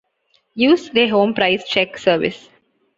Used their Home Price Check service.